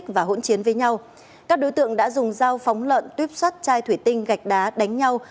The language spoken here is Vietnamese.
các đối tượng đã dùng dao phóng lợn tuyếp xuất chai thủy tinh gạch đá đánh nhau